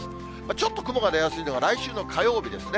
ちょっと雲が出やすいのが、来週の火曜日ですね。